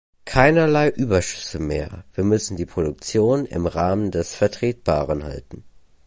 Keinerlei Überschüsse mehr, wir müssen die Produktion im Rahmen des Vertretbaren halten.